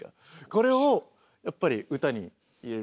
これをやっぱり歌に入れると。